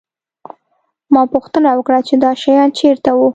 ما پوښتنه وکړه چې دا شیان چېرته وو